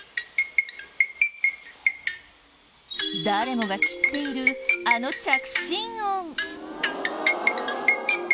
誰もが知っているあの着信音。